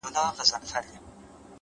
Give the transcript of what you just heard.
د رنگونو په کتار کي يې ويده کړم _